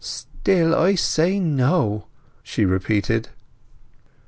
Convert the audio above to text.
"Still I say no!" she repeated.